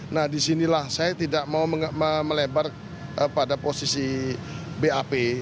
nah disinilah saya tidak mau melebar pada posisi bap